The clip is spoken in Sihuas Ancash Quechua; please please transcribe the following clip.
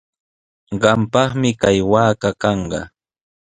Qampaqmi kay waaka kanqa.